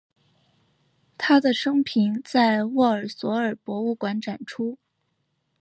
他的生平在沃尔索尔博物馆展出。